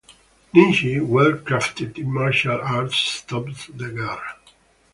Nim-chi, well crafted in martial arts, stops the girl.